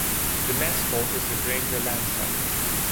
The mascot is the Granger Lancer.